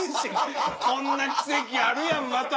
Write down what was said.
こんな奇跡あるやんまた